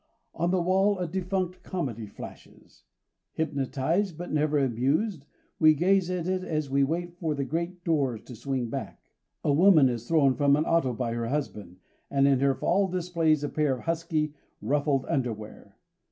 On the wall a defunct comedy flashes. Hypnotized, but never amused, we gaze at it as we wait for the great doors to swing back. A woman is thrown from an auto by her husband, and in her fall displays a pair of husky, ruffled underwear.